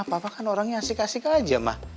papa kan orangnya asik asik aja ma